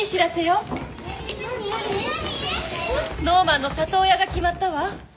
ノーマンの里親が決まったわ。